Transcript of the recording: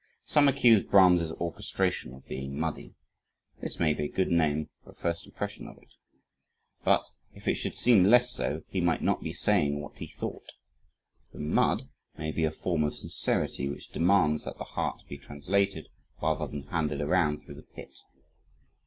Some accuse Brahms' orchestration of being muddy. This may be a good name for a first impression of it. But if it should seem less so, he might not be saying what he thought. The mud may be a form of sincerity which demands that the heart be translated, rather than handed around through the pit.